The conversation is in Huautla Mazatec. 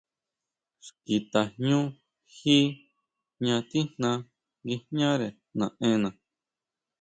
Xki tajñú ji jña tijna nguijñare naʼena.